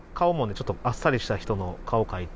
ちょっとあっさりした人の顔を描いて。